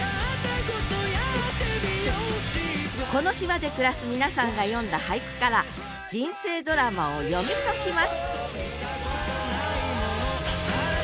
この島で暮らす皆さんが詠んだ俳句から人生ドラマを読み解きます！